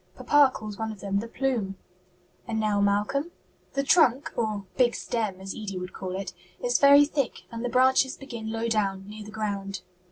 Papa calls one of them 'the plume.'" "And now Malcolm?" "The trunk or big 'stem,' as Edie would call it is very thick, and the branches begin low down, near the ground."